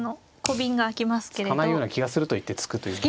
突かないような気がすると言って突くという。